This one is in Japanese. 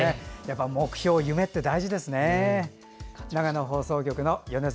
目標、夢って大事ですね。